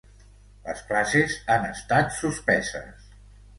Les classes han estat suspeses.